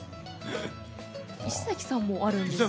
石崎さんもあるんですよね。